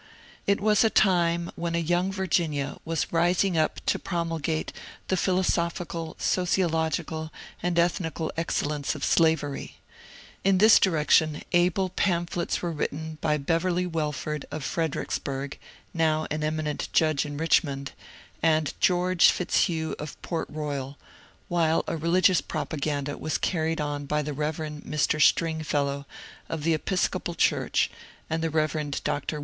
It was a time when a ^^ Young Virginia " was rising up to promulgate the philosophical, sociological, and ethnical excel lence of slavery. In this direction able pamphlets were writ ten by Beverly Wellford of Fredericksburg (now an eminent judge in Richmond) and George Fitzhugh of Port Royal, while a religious propaganda was carried on by the Rev. Mr. Stringfellow of the Episcopal Church and the Rev. Dr.